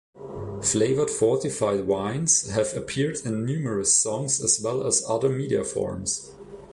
Flavored fortified wines have appeared in numerous songs as well as other media forms.